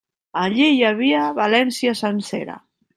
Allí hi havia València sencera.